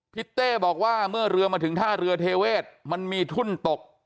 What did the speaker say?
เต้บอกว่าเมื่อเรือมาถึงท่าเรือเทเวศมันมีทุ่นตก